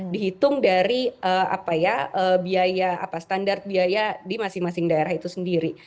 dihitung dari apa ya biaya apa standar biaya di masing masing daerah itu sendiri